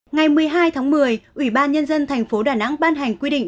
ngày một mươi hai tháng một mươi ủy ban nhân dân thành phố đà nẵng ban hành quy định